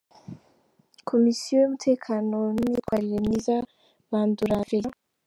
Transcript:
Komisiyo y’umutekano n’imyitwarire myiza : Bandora Félicien.